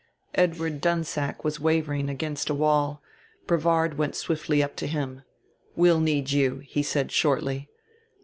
Edward Dunsack was wavering against a wall; Brevard went swiftly up to him. "We'll need you," he said shortly.